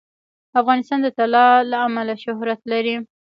افغانستان د طلا له امله شهرت لري.